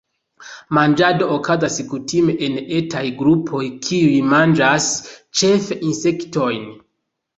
Manĝado okazas kutime en etaj grupoj kiuj manĝas ĉefe insektojn.